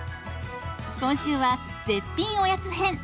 今週は絶品おやつ編。